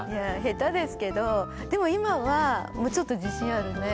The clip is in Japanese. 下手ですけどでも今はもうちょっと自信あるね。